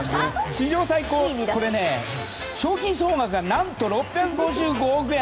史上最高、賞金総額が何と６５５億円。